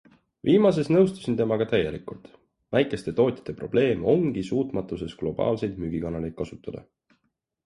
Viimases nõustusin temaga täielikult - väikeste tootjate probleem ongi suutmatuses globaalseid müügikanaleid kasutada.